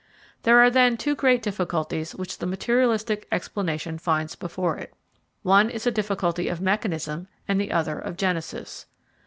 There are then two great difficulties which the materialistic explanation finds before it; one is a difficulty of mechanism and the other of genesis.